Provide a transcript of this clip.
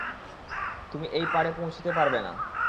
তুমি এই পারে পৌঁছতে পারবে না!